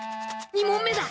２問目だ。